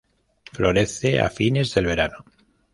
Florece a fines del verano.